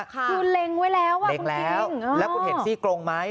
ค่ะคือเล็งไว้แล้วว่ะปุ๊บพี่เล็งแล้วอ๋อแล้วคุณเห็นซี่กรงไหม